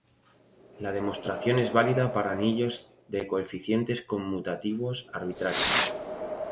La demostración es válida para anillos de coeficientes conmutativos arbitrarios.